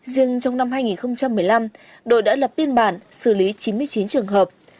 riêng trong năm hai nghìn một mươi năm đội đã lập biên bản xử lý chín mươi chín trường hợp